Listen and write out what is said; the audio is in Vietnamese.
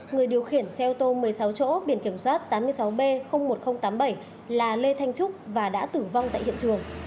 người điều khiển xe ô tô một mươi sáu chỗ biển kiểm soát tám mươi sáu b một nghìn tám mươi bảy là lê thanh trúc và đã tử vong tại hiện trường